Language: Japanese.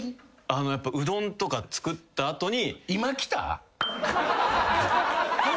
うどんとか作った後に。